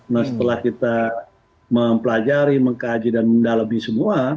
nah setelah kita mempelajari mengkaji dan mendalami semua